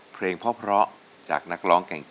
เพลงเพราะจากนักร้องเก่ง